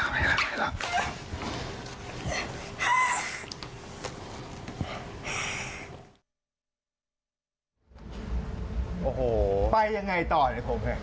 โอ้โหไปยังไงต่อเนี่ยผมเนี่ย